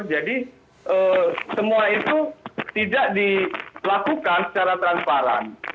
jadi semua itu tidak dilakukan secara transparan